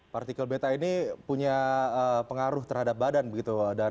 partikel beta ini punya pengaruh terhadap badan begitu